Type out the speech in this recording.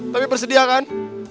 tapi bersedia kan